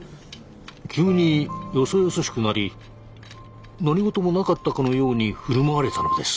急によそよそしくなり何事もなかったかのように振る舞われたのです。